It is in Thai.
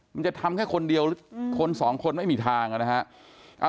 มันจะทำแค่คนเดียวหรือคนสองคนไม่มีทางนะฮะ